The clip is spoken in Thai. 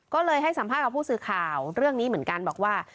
ก็เลยให้สัมภาษณ์กับผู้สื่อข่าวเรื่องนี้เหมือนกันบอกว่า